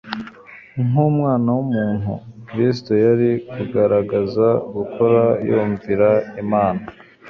Nk'Umwana w'umuntu, Kristo yari kugaragaza gukora yumvira Imana.